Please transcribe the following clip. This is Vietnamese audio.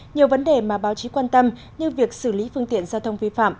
nhiều vấn đề mà báo chí quan tâm như việc xử lý phương tiện giao thông vi phạm